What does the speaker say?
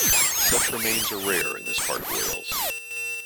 Such remains are rare in this part of Wales.